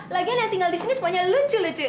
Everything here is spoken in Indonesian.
lagian yang tinggal di sini semuanya lucu lucu